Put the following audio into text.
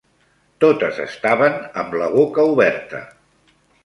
Totes estaven amb la boca oberta